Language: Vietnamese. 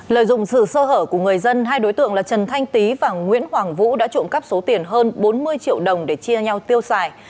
lợi dụng sự sơ hở của người dân hai đối tượng là trần thanh tý và nguyễn hoàng vũ đã trộm cắp số tiền hơn bốn mươi triệu đồng để chia nhau tiêu xài